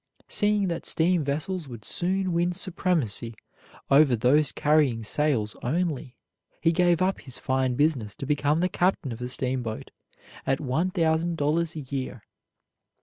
Seeing that steam vessels would soon win supremacy over those carrying sails only, he gave up his fine business to become the captain of a steamboat at one thousand dollars a year.